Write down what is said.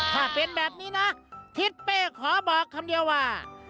ถ้าเป็นแบบนี้นะทิศเป้ขอบอกคำเดียวว่า